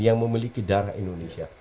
yang memiliki darah indonesia